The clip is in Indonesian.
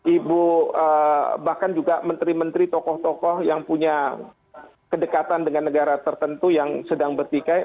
ibu bahkan juga menteri menteri tokoh tokoh yang punya kedekatan dengan negara tertentu yang sedang bertikai